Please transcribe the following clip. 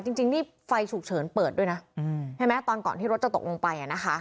จริงนี่ไฟฉุกเฉินเปิดด้วยนะใช่ไหมตอนก่อนที่รถจะตกลงไป